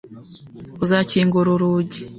Uzakingura urugi?